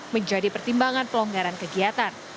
menjadi pertimbangan pelonggaran kegiatan